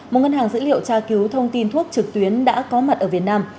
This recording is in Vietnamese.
một ngân hàng dữ liệu tra cứu thông tin thuốc trực tuyến đã có mặt ở việt nam